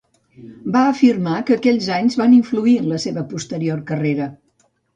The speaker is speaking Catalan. Va afirmar que aquells anys van influir en la seva posterior carrera.